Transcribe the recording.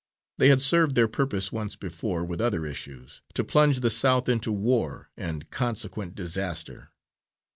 They had served their purpose once before, with other issues, to plunge the South into war and consequent disaster.